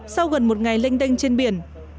sau gần một ngày lênh đênh trên biển